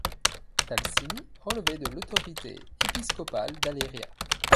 Talcini relevait de l'autorité épiscopale d'Aléria.